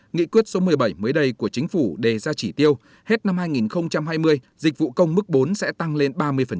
nghị quyết số một mươi bảy mới đây của chính phủ đề ra chỉ tiêu hết năm hai nghìn hai mươi dịch vụ công mức bốn sẽ tăng lên ba mươi